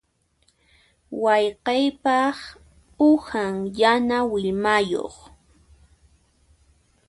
Wayqiypaq uhan yana willmayuq.